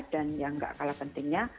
dan yang gak kalah pentingnya